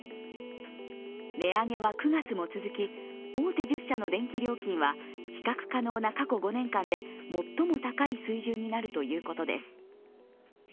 値上げは９月も続き、大手１０社の電気料金は比較可能な過去５年間で最も高い水準になるということです。